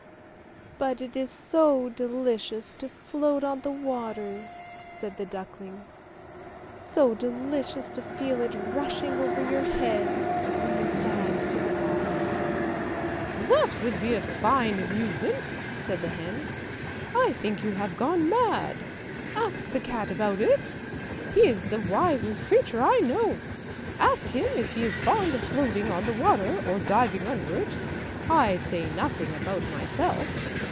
" But it is so delicious to float on the water," said the duck ling; " so delicious to feel it rushing over your head when you dive to the bottom." ' That would be a fine amusement," said the hen. " I think you have gone mad. Ask the cat about it, he is the wisest creature I know; ask him if he is fond of floating on the water or diving under it. I say nothing about myself.